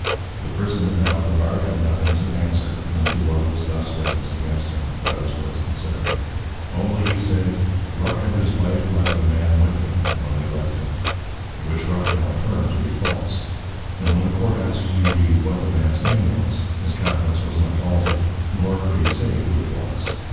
_ The Prisoner now at the Bar had nothing to answer, unto what was thus witnessed against him, that was worth considering. Only he said, Ruck, and his Wife left a Man with him, when they left him. Which Ruck now affirm'd to be false; and when the Court asked G. B. What the Man's Name was? his Countenance was much altered; nor could he say, who 'twas.